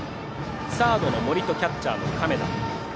サードの森とキャッチャーの亀田。